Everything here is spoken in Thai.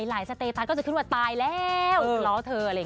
สเตตาก็จะขึ้นว่าตายแล้วทะเลาะเธออะไรอย่างนี้